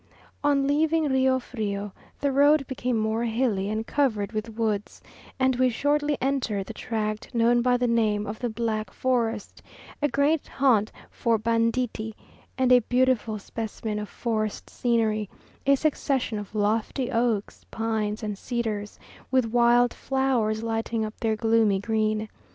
On leaving Rio Frio, the road became more hilly and covered with woods, and we shortly entered the tract known by the name of the Black Forest, a great haunt for banditti, and a beautiful specimen of forest scenery, a succession of lofty oaks, pines, and cedars, with wild flowers lighting up their gloomy green.